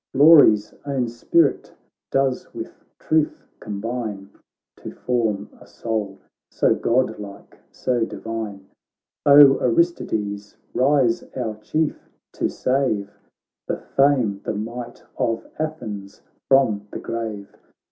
Glory's own spirit does with truth com bine To form a soul so godlike, so divine ! O Aristides, rise, our Chief I to save The fame, the might of Athens from the grave.